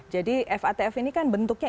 jadi fatf ini kan bentuknya